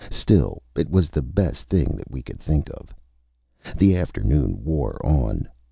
Still, it was the best thing that we could think of. The afternoon wore on.